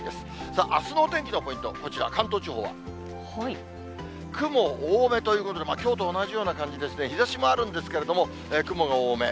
さあ、あすのお天気のポイント、こちら、関東地方は雲多めということで、きょうと同じような感じですね、日ざしもあるんですけれども、雲が多め。